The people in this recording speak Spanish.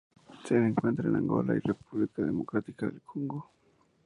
Se le encuentra en Angola y la República Democrática del Congo.